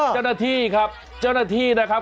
เจ้าหน้าที่ครับเจ้าหน้าที่นะครับ